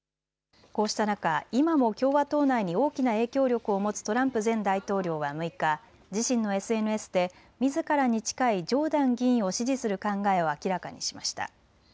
こうした中、今も共和党内に大きな影響力を持つトランプ前大統領は６日、自身のＳＮＳでみずからに近いジョーダン議員を支持する考えを明らかにしました。